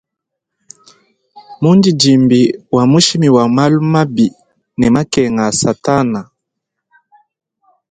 Mundidimbi wa mushimi wa malu mabi ne makenga a satana.